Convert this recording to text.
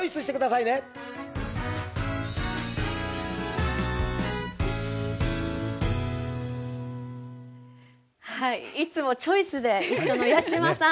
いつも「チョイス」で一緒の八嶋さん